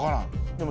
でも。